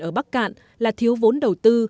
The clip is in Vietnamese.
ở bắc cạn là thiếu vốn đầu tư